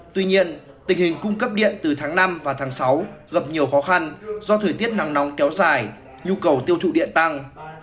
tuy nhiên tình hình cung cấp điện từ tháng năm và tháng sáu gặp nhiều khó khăn do thời tiết nắng nóng kéo dài nhu cầu tiêu thụ điện tăng